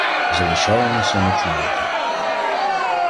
Залишаємося ночувати.